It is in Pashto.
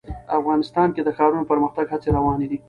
افغانستان کې د ښارونه د پرمختګ هڅې روانې دي.